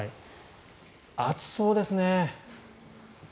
暑そうですね。